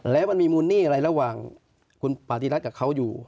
แล้วมันมีมูลหนี้อะไรระหว่างคุณปฏิรัติกับเขาอยู่